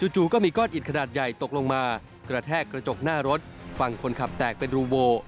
จู่ก็มีก้อนอิดขนาดใหญ่ตกลงมากระแทกกระจกหน้ารถฝั่งคนขับแตกเป็นรูโว